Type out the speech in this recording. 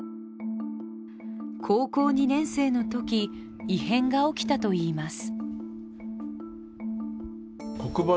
高校２年生のとき異変が起きたといいます。